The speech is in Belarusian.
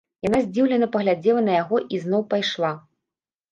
Яна здзіўлена паглядзела на яго і зноў пайшла.